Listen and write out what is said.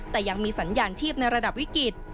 แต่ยังมีสัญญาณชีพในระดับวิกฤต